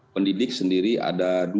pendidik sendiri ada dua